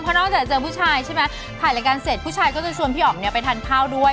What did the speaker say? นอกจากเจอผู้ชายใช่ไหมถ่ายรายการเสร็จผู้ชายก็จะชวนพี่อ๋อมเนี่ยไปทานข้าวด้วย